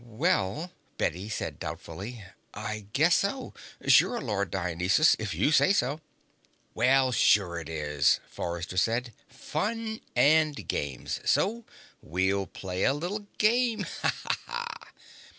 "Well," Bette said doubtfully, "I guess so. Sure, Lord Dionysus, if you say so." "Well, sure it is!" Forrester said. "Fun and games! So we'll play a little game. Ha ha."